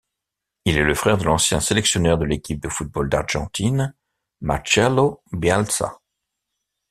Il est le frère de l'ancien sélectionneur de l'équipe de football d'Argentine Marcelo Bielsa.